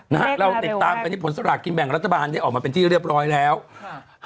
นะฮะเราติดตามกันที่ผลสลากกินแบ่งรัฐบาลได้ออกมาเป็นที่เรียบร้อยแล้วค่ะ